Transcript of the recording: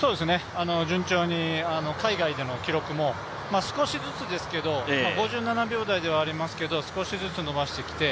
順調に海外での記録も少しずつですけど５７秒台ではありますが少しずつ伸ばしてきて。